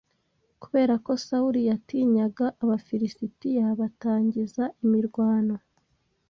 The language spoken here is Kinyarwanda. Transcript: Kubera ko Sawuli yatinyaga ko Abafilisitiya batangiza imirwano